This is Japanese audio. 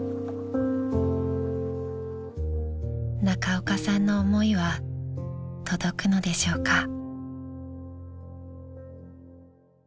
［中岡さんの思いは届くのでしょうか］